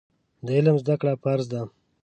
د علم زده کړه فرض ده.